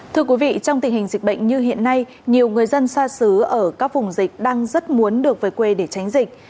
thưa quý vị trong tình hình dịch bệnh như hiện nay nhiều người dân xa xứ ở các vùng dịch đang rất muốn được về quê để tránh dịch